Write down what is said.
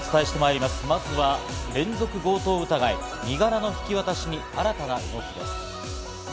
まずは連続強盗疑い、身柄の引き渡しに新たな動きです。